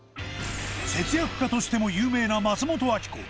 節約家としても有名な松本明子